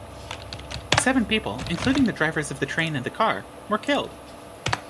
Seven people, including the drivers of the train and the car, were killed.